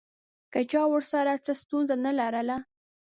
که چا ورسره څه ستونزه نه لرله.